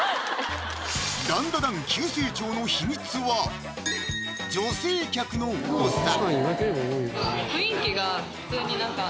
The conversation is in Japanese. ダンダダン急成長の秘密は女性客の多さ！